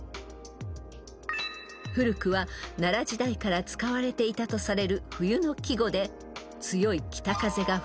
［古くは奈良時代から使われていたとされる］